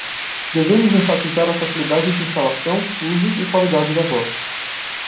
Devemos enfatizar a facilidade de instalação, uso e qualidade da voz.